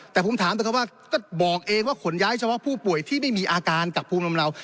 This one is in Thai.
แต่ผมถามนะครับว่าก็บอกเองว่าขนย้ายเฉพาะผู้ป่วยที่ไม่มีอาการจากภูมิลำเลา